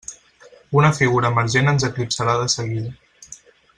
Una figura emergent ens eclipsarà de seguida.